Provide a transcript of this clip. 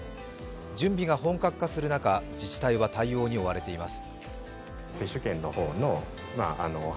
準備が本格化する中、自治体は対応に追われています。